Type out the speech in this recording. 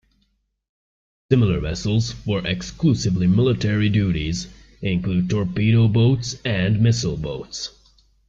Similar vessels for exclusively military duties include torpedo boats and missile boats.